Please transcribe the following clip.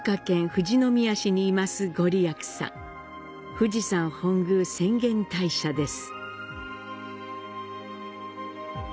富士山本宮浅間大社です。